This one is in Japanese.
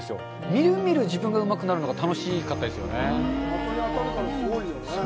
みるみる自分がうまくなるのが楽しかったですよね